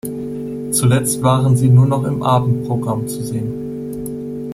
Zuletzt waren sie nur noch im Abendprogramm zu sehen.